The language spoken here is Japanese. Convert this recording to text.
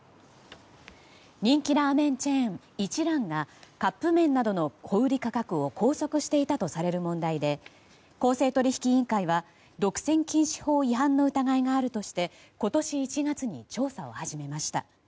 人気ラーメンチェーン一蘭がカップ麺などの小売価格を拘束していたとされる問題で公正取引委員会は独占禁止法違反の疑いがあるとして今年１月に調査を始めました。